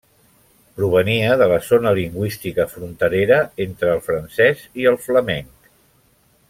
Provenia de la zona lingüística fronterera entre el francés i el flamenc.